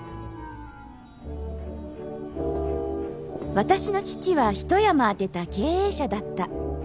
私の父は一山当てた経営者だった